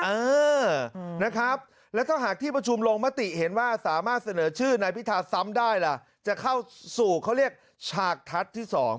เออนะครับแล้วถ้าหากที่ประชุมลงมติเห็นว่าสามารถเสนอชื่อนายพิธาซ้ำได้ล่ะจะเข้าสู่เขาเรียกฉากทัศน์ที่๒